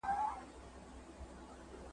قام ته د منظور پښتین ویاړلې ابۍ څه وايي !.